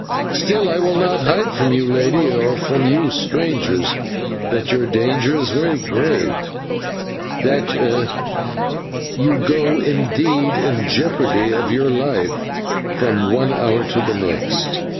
Still, I will not hide from you, Lady, or from you, strangers, that your danger is very great, that you go, indeed, in jeopardy of your life from one hour to the next."